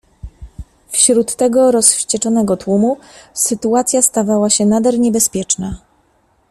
"Wśród tego rozwścieczonego tłumu sytuacja stawała się nader niebezpieczną."